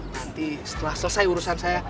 nanti setelah selesai urusan saya